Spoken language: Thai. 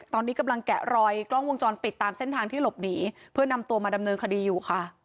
ตอนนี้กำลังแกะรอยกล้องวงจรปิดตามเส้นทางที่หลบหนีเพื่อนำตัวมาดำเนินคดีอยู่ค่ะ